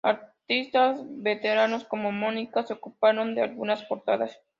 Artistas veteranos como "Mónica" se ocuparon de algunas portadas.